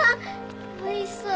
おいしそう。